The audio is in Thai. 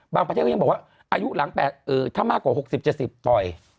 ประเทศก็ยังบอกว่าอายุหลังถ้ามากกว่า๖๐๗๐ปล่อย